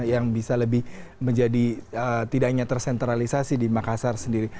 yang bisa lebih menjadi tidak hanya tersentralisasi di makassar sendiri